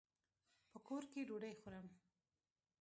په کور کي ډوډۍ خورم.